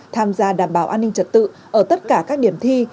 tham gia đảm bảo an ninh trật tự ở tất cả các điểm thi